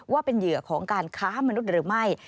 ว่าเป็นเหยื่อของการค้ามนุษย์หรือไม่